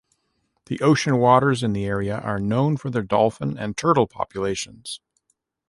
The ocean waters in the area are known for their dolphin and turtle populations.